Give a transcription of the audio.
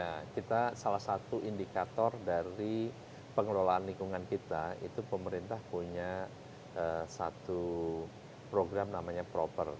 nah kita salah satu indikator dari pengelolaan lingkungan kita itu pemerintah punya satu program namanya proper